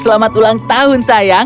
selamat ulang tahun sayang